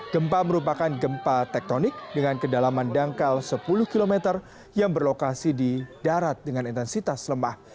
gempa merupakan gempa tektonik dengan kedalaman dangkal sepuluh km yang berlokasi di darat dengan intensitas lemah